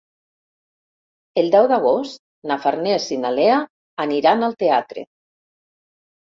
El deu d'agost na Farners i na Lea aniran al teatre.